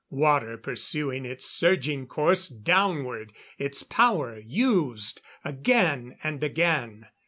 Water pursuing its surging course downward, its power used again and again.